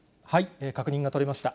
確認が取れました。